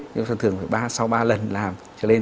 nhưng thường phải sau ba lần làm trở lên